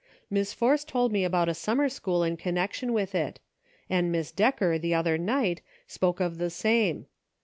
Miss Force told about a summer school in connection with it — and Miss Decker, the other night, spoke of the same.